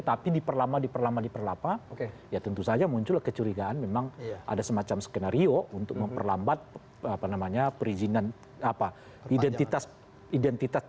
tapi diperlama diperlama diperlama ya tentu saja muncul kecurigaan memang ada semacam skenario untuk memperlambat perizinan identitas